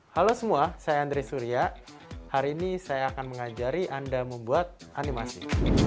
halo semua saya andri surya hari ini saya akan mengajari anda membuat animasi